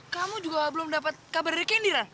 kamu juga belum dapat kabar dari candy ran